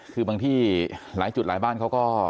คือบางที่หลายจุดหลายบ้านเขาก็